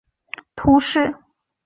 奥克松人口变化图示